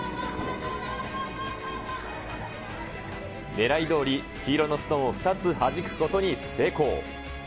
ねらいどおり、黄色のストーンを２つはじくことに成功。